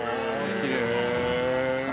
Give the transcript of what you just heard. きれい。